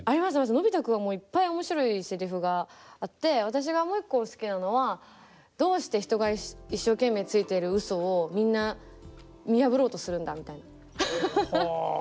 のび太君はいっぱい面白いセリフがあって私がもう一個好きなのはどうして人が一生懸命ついているうそをみんな見破ろうとするんだみたいな。